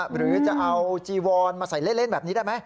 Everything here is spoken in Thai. หรือจะเอาจีวอนมาใส่เล่นแบบนี้ได้ไหม